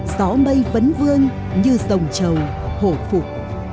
gió mây vấn vương như sồng trầu hổ phục